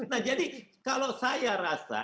nah jadi kalau saya rasa